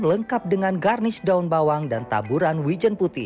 lengkap dengan garnish daun bawang dan taburan wijen putih